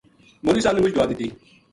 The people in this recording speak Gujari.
مولوی صاحب نا مُچ دُعا دِتی